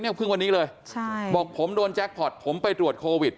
เพิ่งวันนี้เลยใช่บอกผมโดนแจ็คพอร์ตผมไปตรวจโควิด